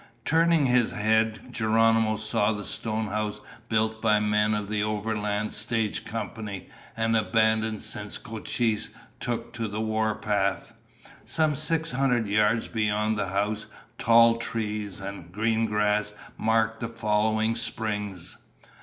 Turning his head, Geronimo saw the stone house built by men of the Overland Stage Company and abandoned since Cochise took the warpath. Some six hundred yards beyond the house, tall trees and green grass marked the flowing springs.